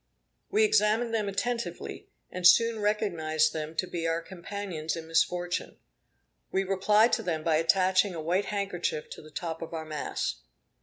We examined them attentively, and soon recognized them to be our companions in misfortune. We replied to them by attaching a white handkerchief to the top of our mast.